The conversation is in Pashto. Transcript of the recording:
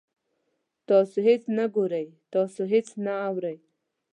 تاسو هیڅ نه ګورئ، تاسو هیڅ نه اورئ